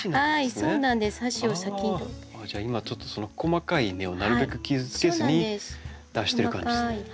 今ちょっと細かい根をなるべく傷つけずに出してる感じですね。